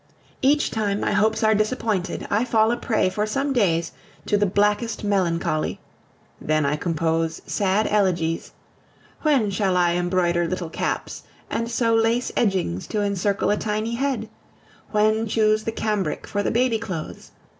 Each time my hopes are disappointed, I fall a prey for some days to the blackest melancholy. Then I compose sad elegies. When shall I embroider little caps and sew lace edgings to encircle a tiny head? When choose the cambric for the baby clothes?